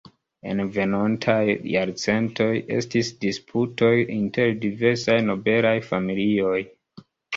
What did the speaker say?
En venontaj jarcentoj estis disputoj inter diversaj nobelaj familioj.